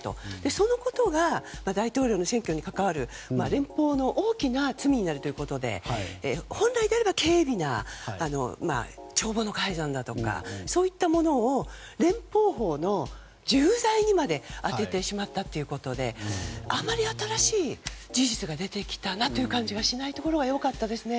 そのことが大統領の選挙に関わる連邦の大きな罪になるということで本来であれば軽微な帳簿の改ざんだとかそういったものを連邦法の重罪にまで当ててしまったということであまり、新しい事実が出てきたなという感じがしないところは良かったですね。